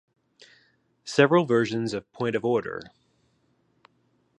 Several versions of Point of Order!